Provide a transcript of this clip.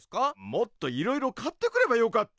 もっといろいろ買ってくればよかったの。